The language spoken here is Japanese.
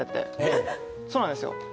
そうなんですよ